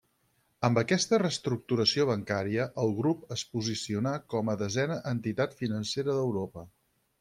Amb aquesta reestructuració bancària el grup es posicionà com la desena entitat financera d'Europa.